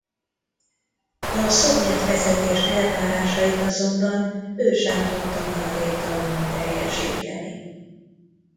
A szovjet vezetés elvárásait azonban ő sem tudta maradéktalanul teljesíteni.